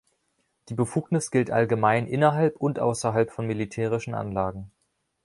Die Befugnis gilt allgemein innerhalb und außerhalb von militärischen Anlagen.